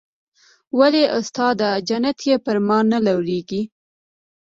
ولې استاده جنت دې پر ما نه لورېږي.